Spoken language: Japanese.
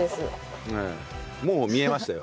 もう見えましたよ。